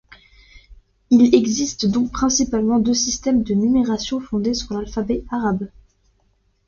Il existe donc principalement deux systèmes de numération fondés sur l'alphabet arabe.